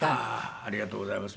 ありがとうございます。